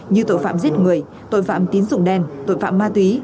như tội phạm giết người tội phạm tín dụng đen tội phạm ma túy